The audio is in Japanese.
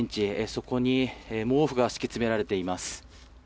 そこに毛布が敷き詰められています。